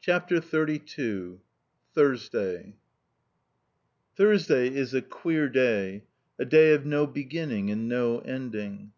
CHAPTER XXXII THURSDAY Thursday is a queer day, a day of no beginning and no ending.